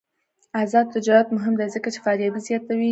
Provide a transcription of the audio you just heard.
آزاد تجارت مهم دی ځکه چې فابریکې زیاتوي.